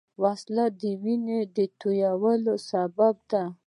وسله د وینې د تویېدو سبب ده